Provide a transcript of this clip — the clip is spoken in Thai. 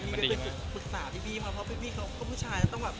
มันดีมากปรึกษาพี่พี่เพราะพี่พี่เขาพวกผู้ชายต้องแบบ